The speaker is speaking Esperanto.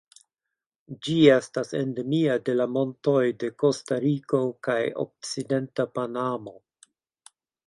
Ĝi estas endemia de la montoj de Kostariko kaj okcidenta Panamo.